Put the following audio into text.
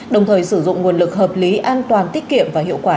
đồng thời sử dụng nguồn lực hợp lý an toàn tiết kiệm và hiệu quả